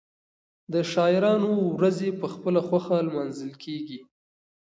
د شاعرانو ورځې په خپله خوښه لمانځل کېږي.